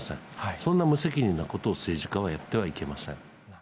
そんな無責任なことを政治家はやってはいけません。